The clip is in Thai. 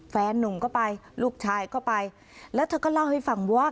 แฟนนุ่มก็ไปลูกชายก็ไปแล้วเธอก็เล่าให้ฟังว่า